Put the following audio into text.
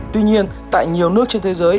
tuy nhiên tại nhiều nước trên thế giới